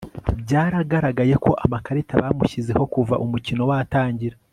Byaragaragaye ko amakarita bamushyizeho kuva umukino watangira